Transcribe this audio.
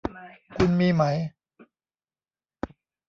คุณมีไหม